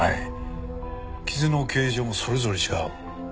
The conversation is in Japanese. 傷の形状もそれぞれ違う。